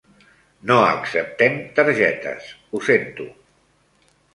No acceptem targetes, ho sento.